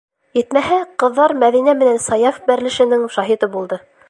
Етмәһә, ҡыҙҙар Мәҙинә менән Саяф бәрелешенең шаһиты булды.